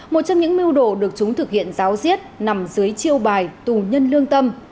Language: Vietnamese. một trong những mưu đồ được chúng thực hiện giáo diết nằm dưới chiêu bài tù nhân lương tâm